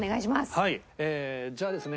はいええーじゃあですね